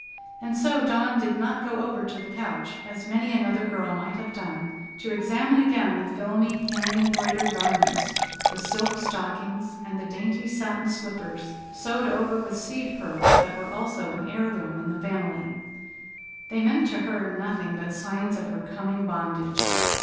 And so Dawn did not go over to the couch, as many another girl might have done, to examine again the filmy hand embroidered garments, the silk stockings, and the dainty satin slippers, sewed over with seed pearls that were also an heirloom in the family. They meant to her nothing but signs of her coming bondage.